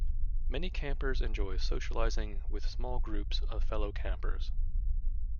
Many campers enjoy socializing with small groups of fellow campers.